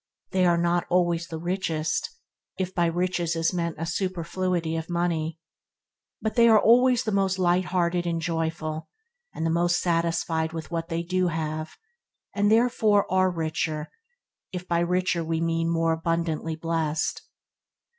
They are not always the richest, if by riches is meant a superfluity of money; but they are always the most lighthearted and joyful, and the most satisfied with what they do and have, and are therefore the richer, if by richer we mean more abundantly blessed.